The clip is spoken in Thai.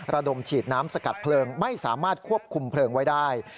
ระดมฉีดน้ำสกัดเพลิงไม่สามารถควบคุมเพลิงไว้ได้